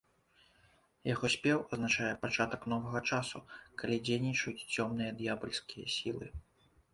Яго спеў азначае пачатак новага часу, калі дзейнічаюць цёмныя д'ябальскія сілы.